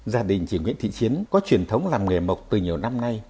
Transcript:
gia đình chị nguyễn thị chiến có truyền thống làm nghề mộc từ nhiều năm nay